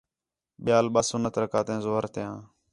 ٻِیال ݙُُو سُنّت رکعتیان ظُہر تیاں